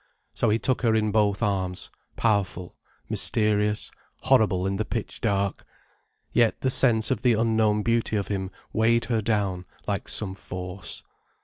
So he took her in both arms, powerful, mysterious, horrible in the pitch dark. Yet the sense of the unknown beauty of him weighed her down like some force.